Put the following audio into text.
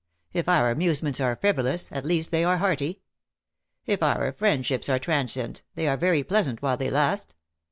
If our amusements are frivolous, at least they are hearty. If our friendships are tran sient, they are very pleasant while they last.